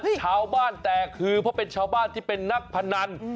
ชาวบ้านแตกคือเพราะเป็นชาวบ้านที่เป็นนักพนัน